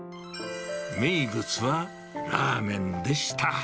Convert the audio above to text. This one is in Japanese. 名物はラーメンでした。